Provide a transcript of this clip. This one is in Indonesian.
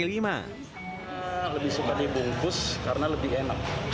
lebih suka dibungkus karena lebih enak